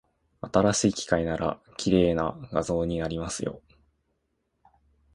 新しい機械なら、綺麗な画像になりますよ。